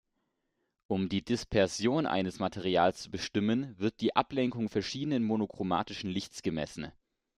Um die Dispersion eines Materials zu bestimmen, wird die Ablenkung verschiedenen monochromatischen Lichts gemessen.